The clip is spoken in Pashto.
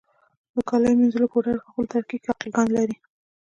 د کالیو منیځلو پوډر په خپل ترکیب کې القلي ګانې لري.